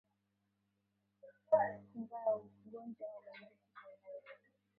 Kinga ya ugonjwa wa majipu kwa ngamia